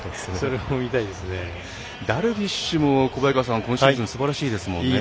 ダルビッシュも今シーズンすばらしいですよね。